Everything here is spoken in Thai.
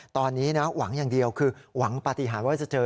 ตอนนี้นะหวังอย่างเดียวคือหวังปฏิหารว่าจะเจอ